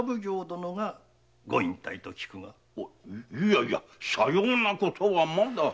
いやいやさようなことはまだ。